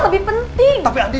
aku mau ketemu dengan anden